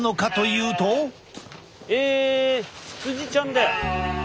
え羊ちゃんだよ。